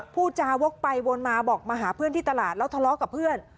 พูดจาวกไปวนมาบอกมาหาเพื่อนที่ตลาดแล้วทะเลาะกับเพื่อน